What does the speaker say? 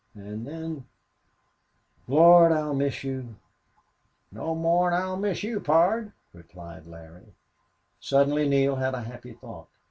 And then Lord! I'll miss you." "No more 'n I'll miss you, pard," replied Larry. Suddenly Neale had a happy thought.